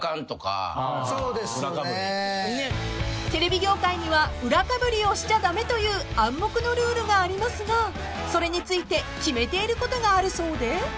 ［テレビ業界には裏かぶりをしちゃ駄目という暗黙のルールがありますがそれについて決めていることがあるそうで］